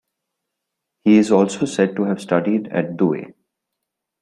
He is also said to have studied at Douay.